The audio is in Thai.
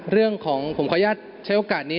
เรื่องของผมขออนุญาตใช้โอกาสนี้